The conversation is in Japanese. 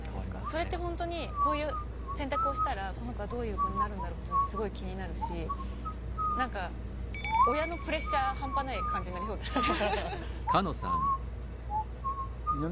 それってほんとにこういう選択をしたらこの子はどういう子になるんだろうっていうのすごい気になるし何か親のプレッシャー半端ない感じになりそうですね。